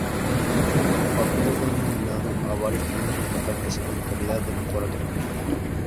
Su papel fue nominado a varios premios importantes en calidad de mejor actor.